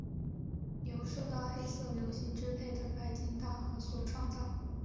由受到黑色流星支配的白井大和所创造。